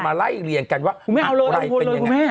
เราก็จะมาไล่เรียนกันว่าอะไรเป็นยังไง